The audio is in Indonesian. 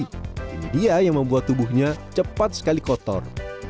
ini dia yang membuat tubuhnya cepat sekali kotor